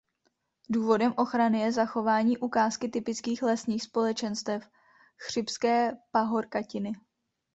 Důvodem ochrany je zachování ukázky typických lesních společenstev chřibské pahorkatiny.